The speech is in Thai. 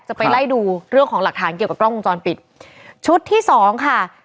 ไปไล่ดูเรื่องของหลักฐานเกี่ยวกับกล้องวงจรปิดชุดที่สองค่ะ